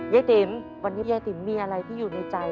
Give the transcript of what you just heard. ติ๋มวันนี้ยายติ๋มมีอะไรที่อยู่ในใจ